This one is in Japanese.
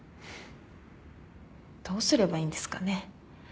どうすればいいんですかね？